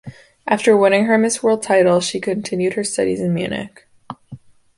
After winning her Miss World title she continued her studies in Munich.